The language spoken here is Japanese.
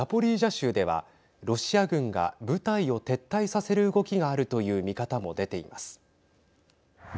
州ではロシア軍が部隊を撤退させる動きがあるという見方も出ています。